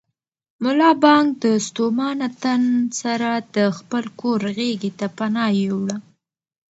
ملا بانګ د ستومانه تن سره د خپل کور غېږې ته پناه یووړه.